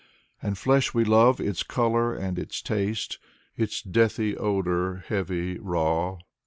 And flesh we love, its color and its taste. Its deathy odor, heavy, raw.